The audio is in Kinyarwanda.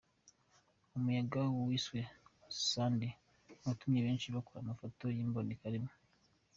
Umuyaga wiswe Sandi watumye benshi bakora amafoto y’imbonekarimwe